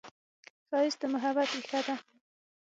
ښایست د محبت ریښه ده